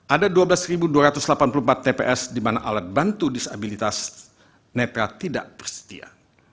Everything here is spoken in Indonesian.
ada dua belas dua ratus delapan puluh empat tps di mana alat bantu disabilitas nepal tidak bersedia